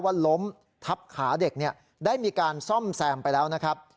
ล้มทับขาเด็กได้มีการซ่อมแซมไปแล้วนะครับ